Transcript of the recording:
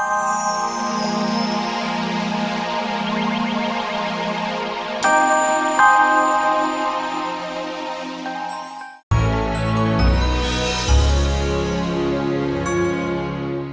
katoran pilih juga